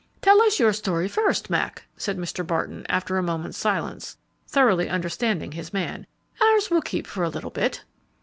"Tell us your story first, Mac," said Mr. Barton, after a moment's silence, thoroughly understanding his man, "ours will keep for a little bit."